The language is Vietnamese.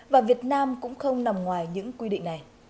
và việt nam cũng không nằm ngoài những quy định này